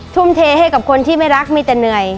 ทุ่มเทให้กับคนที่ไม่รักมีแต่เหนื่อย